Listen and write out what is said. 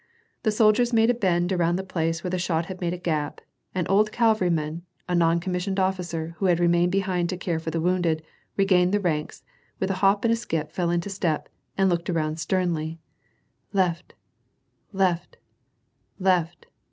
The soldiers made a bend around the place whero the shot had made the gap ; an old cavalryman, a non commissioned oiHcer, who had remained behind to care for the mounded, regained the ranks, with a hop and skip fell into st^p, and looked around sternly. Left ! left ! left